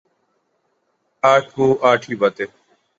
آٹھ منہ آٹھ ہی باتیں ۔